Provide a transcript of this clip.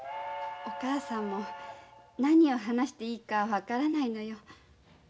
お母さんも何を話していいか分からないのよ。